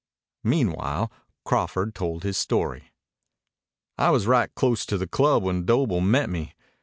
Meanwhile Crawford told his story. "I was right close to the club when Doble met me.